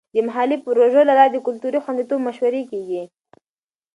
د محلي پروژو له لارې د کلتور د خوندیتوب مشورې کیږي.